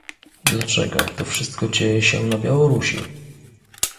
Dlaczego to wszystko dzieje się na Białorusi?